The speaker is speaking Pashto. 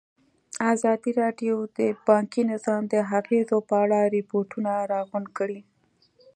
ازادي راډیو د بانکي نظام د اغېزو په اړه ریپوټونه راغونډ کړي.